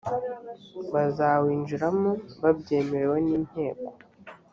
bazawinjiramo babyemerewe n inteko